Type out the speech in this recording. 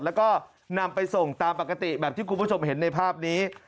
แล้วก็นำไปส่งตามปกติแบบที่คุณผู้ชมเห็นในภาพนี้